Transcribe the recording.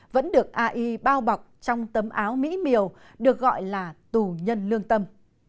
vẫn được ai bao bọc trong tấm áo mỹ miều được gọi là tù nhân lương tâm